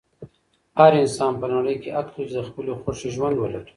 هر انسان په نړۍ کې حق لري چې د خپلې خوښې ژوند ولري.